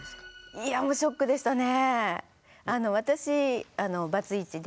いやもうショックでしたね。